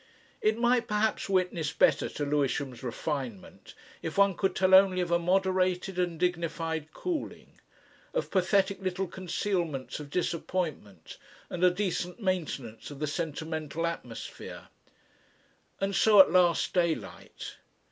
It might perhaps witness better to Lewisham's refinement if one could tell only of a moderated and dignified cooling, of pathetic little concealments of disappointment and a decent maintenance of the sentimental atmosphere. And so at last daylight.